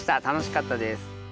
楽しかったです。